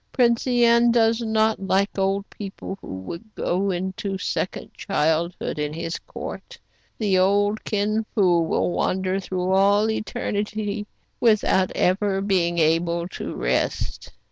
Prince len does not like old people who would go into second childhood in his court. The old Kin Fo will wander through all eternity without ever being able to rest."